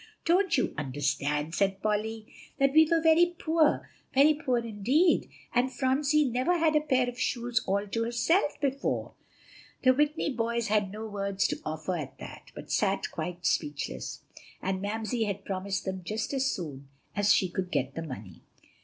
"Don't you understand," said Polly, "that we were very poor, very poor indeed; and Phronsie had never had a pair of shoes all to herself before." The Whitney boys had no words to offer at that, but sat quite speechless. "And Mamsie had promised them just as soon as she could get the money."